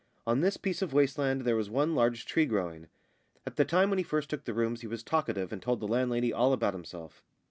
On this piece of waste land there was one large tree growing. At the time when he first took the rooms he was talkative and told the landlady all about himself.